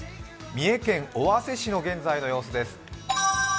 三重県尾鷲市の現在の様子です。